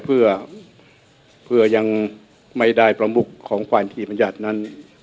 เพื่อยังไม่ได้ประมุขของฝ่ายนิติบัญญัตินั้น